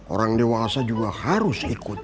orang dewasa juga harus ikut